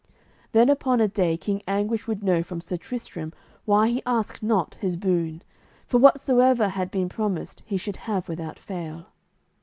Then upon a day King Anguish would know from Sir Tristram why he asked not his boon, for whatsoever had been promised he should have without fail.